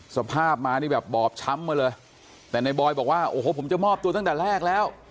สภาพมานี่แบบบอบช้ำมาเลยแต่ในบอยบอกว่าโอ้โหผมจะมอบตัวตั้งแต่แรกแล้ว